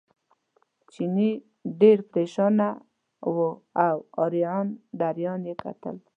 چیني ډېر پرېشانه و او اریان دریان یې کتل.